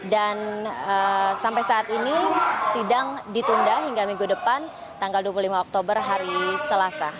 dan sampai saat ini sidang ditunda hingga minggu depan tanggal dua puluh lima oktober hari selasa